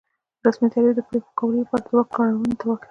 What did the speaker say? رسمي تعریف یې د پرېکړو کولو لپاره د واک کارونې ته وایي.